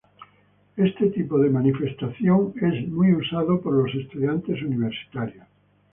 Este tipo de manifestación es muy usada por los estudiantes universitarios.